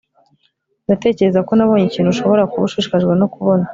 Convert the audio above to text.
ndatekereza ko nabonye ikintu ushobora kuba ushishikajwe no kubona